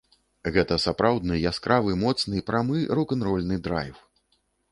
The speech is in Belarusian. Гэта сапраўдны яскравы, моцны, прамы рок-н-рольны драйв.